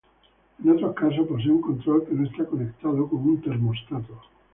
En otros casos posee un control que no está conectado, como un termostato.